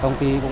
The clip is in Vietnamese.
công ty cũng